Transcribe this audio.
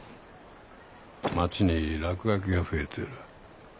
街に落書きが増えてる。